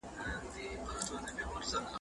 امام بخاري د مسلمانانو ستر امام او مشر دی